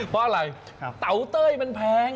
เพราะอะไรเตาเต้ยมันแพง